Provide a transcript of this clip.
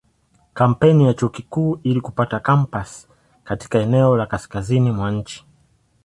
Kampeni ya Chuo Kikuu ili kupata kampasi katika eneo la kaskazini mwa nchi.